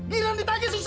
hilang di tagi susah